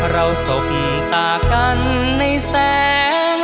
เราสมตากันในแสง